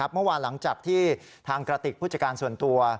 หลังจากที่ทางกระติกผู้จัดการส่วนตัว